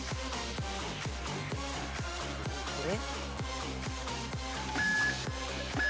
これ？